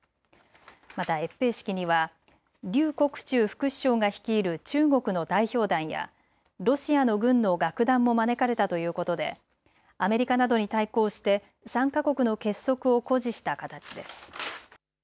また閲兵式には劉国中副首相が率いる中国の代表団やロシアの軍の楽団も招かれたということでアメリカなどに対抗して３か国の結束を誇示した形です。